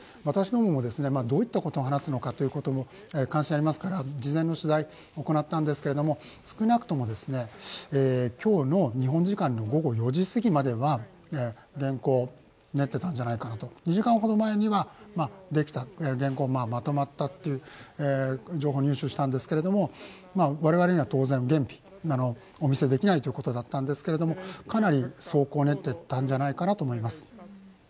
私どもも、どういったことを話すのか関心がありますから事前の取材を行ったんですけれども、少なくとも今日の日本時間の午後４時すぎまでは原稿、練っていたんじゃないかなと２時間ほど前には原稿がまとまったという情報を入手したんですけど我々には当然、お見せできないということだったんですけれども、かなり草稿を練っていたんじゃないかなと思います。